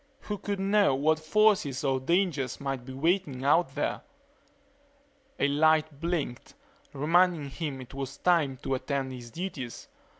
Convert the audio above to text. Who could know what forces or dangers might be waiting out there? A light blinked, reminding him it was time to attend to his duties.